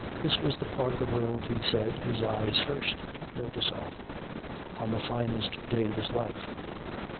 This was the part of the world, he said, his eyes first took notice of, on the finest day of his life.